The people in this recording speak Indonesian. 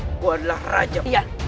aku adalah raja